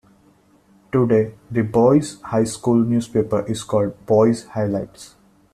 Today, the Boise High School Newspaper is called "Boise Highlights".